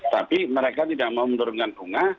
tapi mereka tidak mau menurunkan bunga